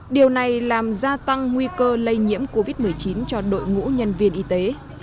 điều này làm gia tăng nguy cơ lây nhiễm covid một mươi chín cho đội ngũ nhân viên y tế